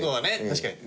確かに。